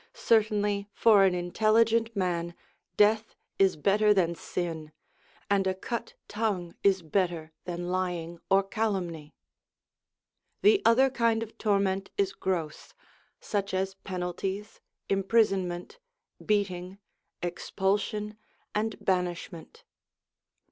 Certainly for an intelligent man, death is better than sin, and a cut tongue is better than lying or calumny. The other kind of torment is gross : such as penalties, imprisonment, beating, expulsion, and banishment.